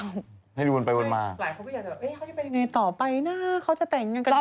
เขาจะไปยังไงต่อไปนะเขาจะแต่งกัน